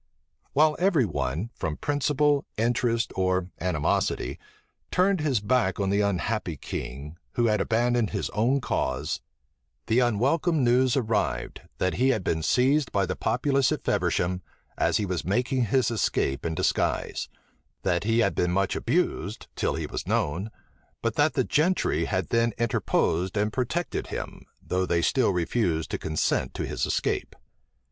While every one, from principle, interest, or animosity, turned his back on the unhappy king, who had abandoned his own cause, the unwelcome news arrived, that he had been seized by the populace at Feversham, as he was making his escape in disguise; that he had been much abused, till he was known; but that the gentry had then interposed and protected him, though they still refused to consent to his escape.